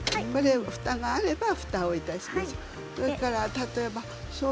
ふたがあればふたをいたしましょう。